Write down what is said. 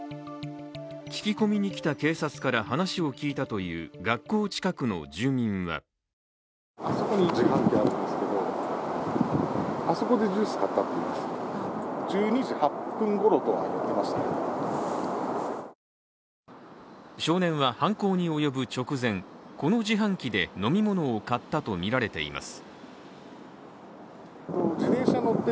聞き込みに来た警察から話を聞いたという学校近くの住民は少年は犯行に及ぶ直前、この自販機で飲み物を買ったとみられています。